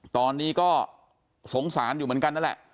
ตอนนี้ก็สงสารอยู่เหมือนกันนั่นแหละ